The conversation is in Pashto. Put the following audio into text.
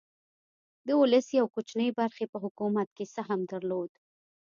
د ولس یوې کوچنۍ برخې په حکومت کې سهم درلود.